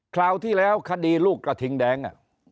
คราวที่แล้วคดีลูกกระทิงแดง